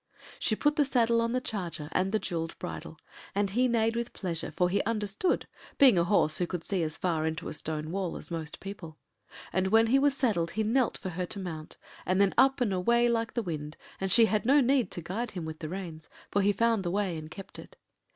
She put the saddle on the charger, and the jewelled bridle. And he neighed with pleasure, for he understood, being a horse who could see as far into a stone wall as most people. And when he was saddled he knelt for her to mount, and then up and away like the wind, and she had no need to guide him with the reins, for he found the way and kept it.